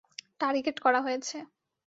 Target করা হয়েছে।